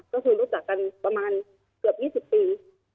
ก็คือรู้จักกันประมาณเกือบ๒๐ปี